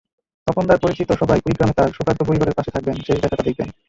তপনদার পরিচিত সবাই কুড়িগ্রামে তার শোকার্ত পরিবারের পাশে থাকবেন, শেষ দেখাটা দেখবেন।